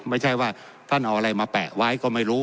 ไม่ใช่ว่าท่านเอาอะไรมาแปะไว้ก็ไม่รู้